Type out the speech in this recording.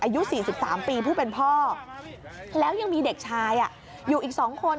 อายุ๔๓ปีผู้เป็นพ่อแล้วยังมีเด็กชายอยู่อีก๒คน